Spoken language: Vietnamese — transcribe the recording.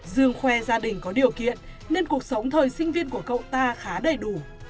dương khoe gia đình có điều kiện nên cuộc sống thời sinh viên của cậu ta khá đầy đủ